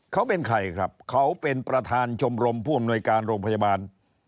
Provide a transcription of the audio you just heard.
เขาเป็นใครครับเขาเป็นประธานชมรมผู้อำนวยการโรงพยาบาล